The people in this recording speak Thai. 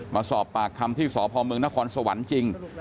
มาสอบปากคำที่สพเมืองนครสวรรค์จริง